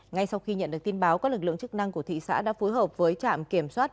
ngay sau khi nhận được tin báo các lực lượng chức năng của thị xã đã phối hợp với trạm kiểm soát